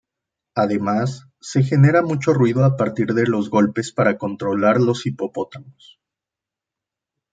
Además, se genera mucho ruido a partir de los golpes para controlar los hipopótamos.